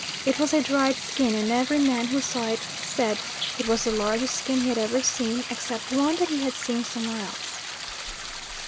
It was a dried skin, and every man who saw it said, "It was the largest skin he had ever seen, except one that he had seen somewhere else."